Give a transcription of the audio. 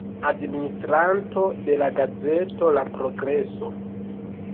Administranto de la gazeto La Progreso.